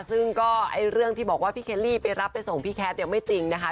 ซึ่งก็เรื่องที่บอกว่าพี่เคลลี่ไปรับไปส่งพี่แคทเนี่ยไม่จริงนะคะ